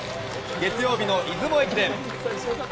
月曜日の出雲駅伝。